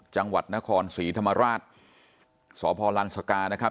จังหวัดนครศรีธรรมราชสพลันสกานะครับ